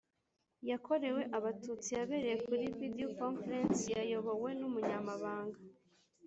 yakorewe Abatutsi yabereye kuri Video Conference yayobowe n Umunyamabanga